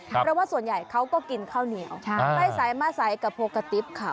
เพราะว่าส่วนใหญ่เขาก็กินข้าวเหนียวไปไซ่มาไซ่กระโพกกระติบเขา